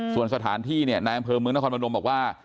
ส่วนสถานที่เนี่ยนายอำเภอเมืองนครพนมบอกว่า